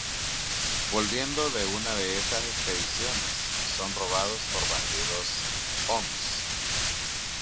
Volviendo de una de esas expediciones, son robados por bandidos Oms.